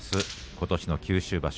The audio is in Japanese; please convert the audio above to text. ことしの九州場所。